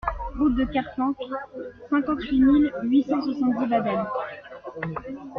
Route de Kerfanc, cinquante-six mille huit cent soixante-dix Baden